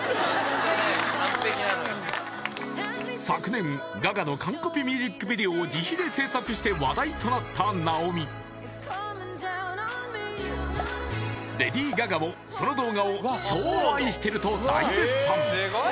昨年ガガの完コピミュージックビデオを自費で制作して話題となった直美レディー・ガガもその動画を「超愛してる！」と大絶賛！